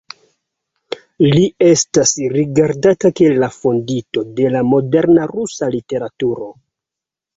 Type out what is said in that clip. Li estas rigardata kiel la fondinto de la moderna rusa literaturo.